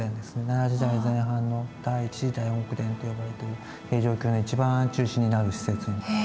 奈良時代前半の第一次大極殿と呼ばれている平城京の一番中心になる施設です。